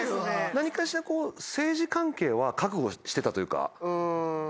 何かしらこう政治関係は覚悟してたというかうん。